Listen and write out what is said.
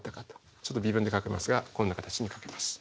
ちょっと微分で書きますがこんな形に書けます。